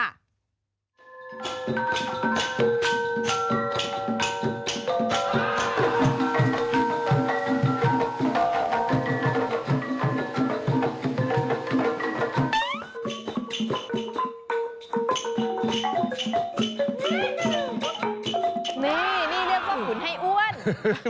นี่เรียกว่าขุนให้อ้วน